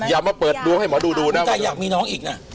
อย่ามาเปิดดวงให้หมอดูดูนะตั้งใจอยากมีน้องอีกนะ